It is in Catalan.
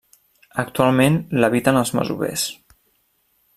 Actualment l'habiten els masovers.